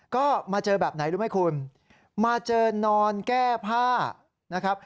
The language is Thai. ก็มาเจอแบบไหนรู้ไหมคุณมาเจอนอนแก้ผ้านะครับ